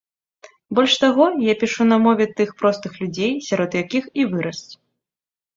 Больш таго, я пішу на мове тых простых людзей, сярод якіх і вырас.